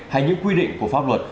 hay những quy định của pháp luật